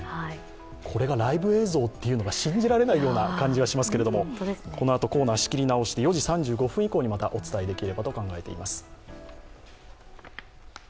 これがライブ映像というのが信じられない感じがしますがこのあとコーナー仕切り直して４時３５分以降にまたお伝えできれ